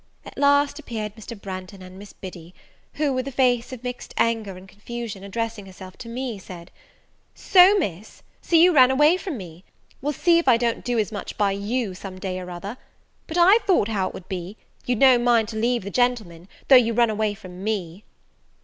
At last appeared Mr. Branghton and Miss Biddy, who, with a face of mixed anger and confusion, addressing herself to me, said, "So, Miss, so you ran away from me! Well, see if I don't do as much by you some day or other! But I thought how it would be; you'd no mind to leave the gentlemen, though you run away from me."